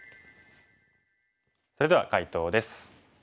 それでは解答です。